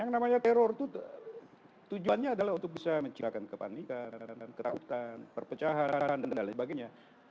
yang namanya teror itu tujuannya adalah untuk bisa menciptakan kepanikan ketakutan perpecahan dan lain sebagainya